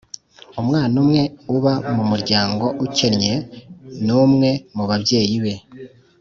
Umwana umwe uba mu muryango ukennye n’ umwe mu babyeyi be